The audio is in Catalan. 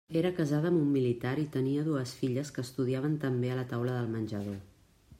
Era casada amb un militar i tenia dues filles que estudiaven també a la taula del menjador.